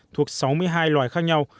thuộc sáu mươi hai loài khác nhau